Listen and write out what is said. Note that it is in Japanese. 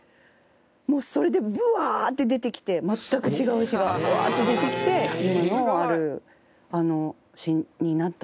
もうそれでブワーって出てきて全く違う詩がブワーって出てきて今のあるあの詩になったので。